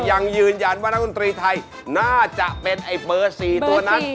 ยังยืนยันว่านักดนตรีไทยน่าจะเป็นไอ้เบอร์๔ตัวนั้น